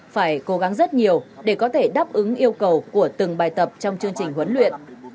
phải cố gắng rất nhiều để có thể đáp ứng yêu cầu của từng bài tập trong chương trình huấn luyện